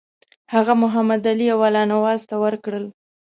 هغه محمدعلي او الله نواز ته ورکړل.